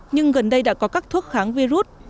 nhưng gần đây đã có các thuốc kháng virus